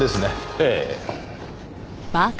ええ。